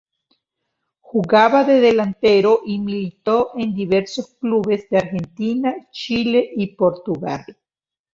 Jugaba de delantero y militó en diversos clubes de Argentina, Chile y Portugal.